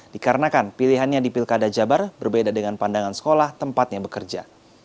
dikarenakan pilihannya di pilkada jabar berbeda dengan pandangan sekolah tempatnya bekerja